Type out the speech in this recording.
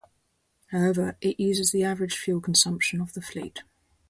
However, it uses the average fuel consumption of the fleet.